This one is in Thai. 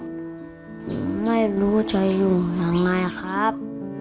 ผมไม่รู้ใจลุงอย่างไรครับ